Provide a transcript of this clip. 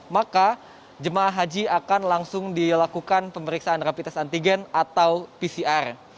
maka jemaah haji akan langsung dilakukan pemeriksaan rapid test antigen atau pcr